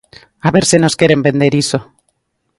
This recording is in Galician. ¡A ver se nos queren vender iso!